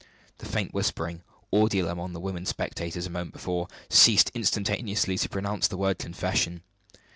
The faint whispering, audible among the women spectators a moment before, ceased instantaneously as he pronounced the word confession.